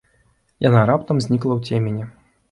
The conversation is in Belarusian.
Яна раптам знікла ў цемені.